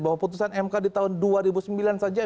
bahwa putusan mk di tahun dua ribu sembilan saja